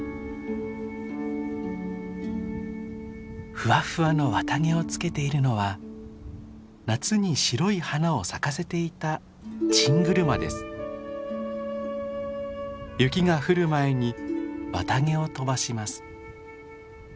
ふわふわの綿毛をつけているのは夏に白い花を咲かせていた雪が降る前に綿毛を飛ばします。